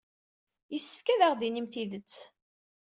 Yessefk ad aɣ-d-tinim tidet.